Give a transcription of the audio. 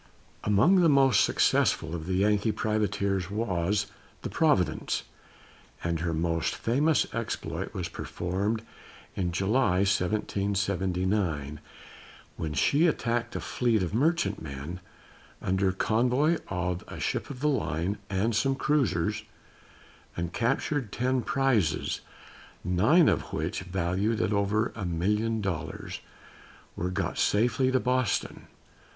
Among the most successful of the Yankee privateers was the Providence, and her most famous exploit was performed in July, 1779, when she attacked a fleet of merchantmen, under convoy of a ship of the line and some cruisers, and captured ten prizes, nine of which, valued at over a million dollars, were got safely to Boston.